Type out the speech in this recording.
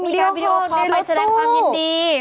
มีการวิดีโอคอลไปแสดงความยินดี